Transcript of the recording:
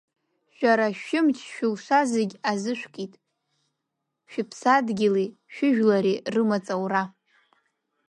Шәара шәымч-шәылша зегьы азышәкит шәыԥсадгьыли шәыжәлари рымаҵ аура.